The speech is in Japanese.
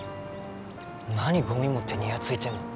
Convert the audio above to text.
何ゴミ持ってにやついてんの？